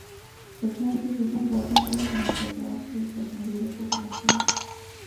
淄川区是中国山东省淄博市所辖的一个市辖区。